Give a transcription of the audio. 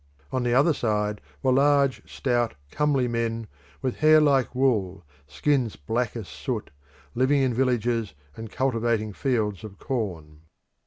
On the other side were large, stout, comely men with hair like wool, skins black as soot, living in villages and cultivating fields of corn.